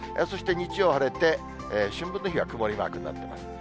そして日曜晴れて、春分の日は曇りマークになってます。